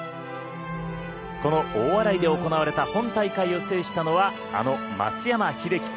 この大洗で行われた本大会を制したのはあの松山英樹